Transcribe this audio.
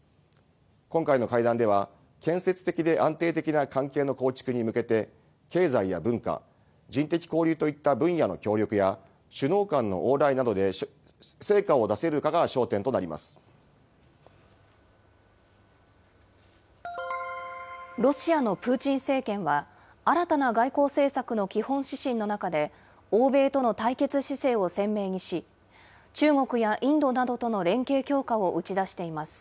今回の会談では、建設的で安定的な関係の構築に向けて、経済や文化、人的交流といった分野の協力や、首脳間の往来などで成果を出せるロシアのプーチン政権は、新たな外交政策の基本指針の中で、欧米との対決姿勢を鮮明にし、中国やインドなどとの連携強化を打ち出しています。